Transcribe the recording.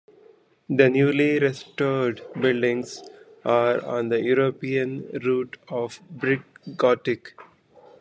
The newly restored buildings are on the European Route of Brick Gothic.